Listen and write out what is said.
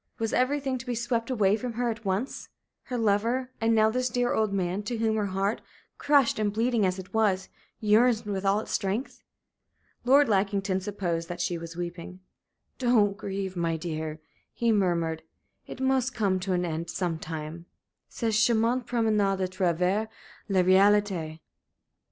Was everything to be swept away from her at once her lover, and now this dear old man, to whom her heart, crushed and bleeding as it was, yearned with all its strength? Lord Lackington supposed that she was weeping. "Don't grieve, my dear," he murmured. "It must come to an end some time 'cette charmante promenade à travers la réalité!'"